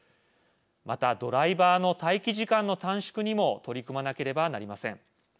またドライバーの待機時間の短縮にも取り組まなければなりません。